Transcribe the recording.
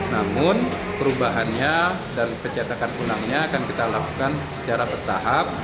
namun perubahannya dan pencetakan ulangnya akan kita lakukan secara bertahap